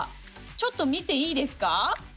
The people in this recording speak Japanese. ちょっと見ていいですか？